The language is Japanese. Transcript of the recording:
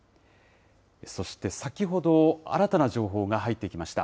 そして先ほど、新たな情報が入ってきました。